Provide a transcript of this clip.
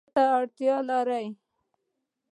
تاسو څه ته اړتیا لرئ؟